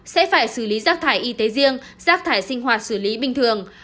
sẽ phải xử lý rác thải y tế riêng rác thải sinh hoạt xử lý bình thường